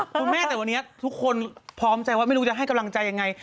คุณแม่แต่วันนี้ทุกคนพร้อมใจว่าไม่รู้จะให้กำลังใจยังไง